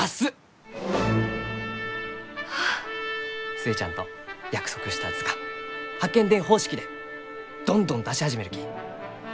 寿恵ちゃんと約束した図鑑八犬伝方式でどんどん出し始めるき。